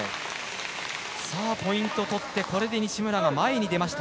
さあ、ポイント取ってこれで西村が前に出ました。